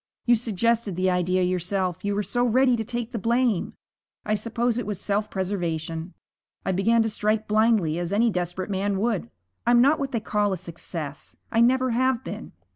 'You suggested the idea yourself. You were so ready to take the blame. I suppose it was self preservation. I began to strike blindly as any desperate man would. I'm not what they call a success I never have been.